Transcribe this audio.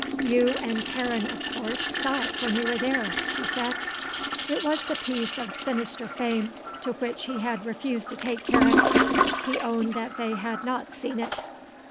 "You and Karen, of course, saw it when you were there," she said. It was the piece of sinister fame to which he had refused to take Karen. He owned that they had not seen it.